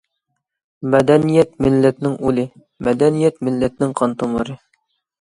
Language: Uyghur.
مەدەنىيەت— مىللەتنىڭ ئۇلى، مەدەنىيەت— مىللەتنىڭ قان تومۇرى.